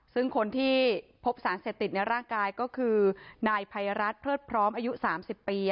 ซึ่งคนที่พบสารเสพติดในร่างกายก็คือนายภัยรัฐเลิศพร้อมอายุ๓๐ปี